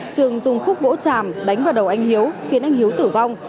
trường dùng khúc gỗ tràm đánh vào đầu anh hiếu khiến anh hiếu tử vong